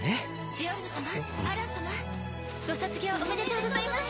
・ジオルド様アラン様ご卒業おめでとうございます。